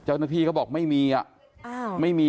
เจ้าที่ก็บอกไม่มีอะ